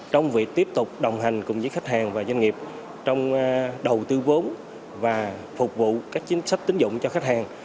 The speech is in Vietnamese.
trong việc tiếp tục đồng hành cùng với khách hàng và doanh nghiệp trong đầu tư vốn và phục vụ các chính sách tính dụng cho khách hàng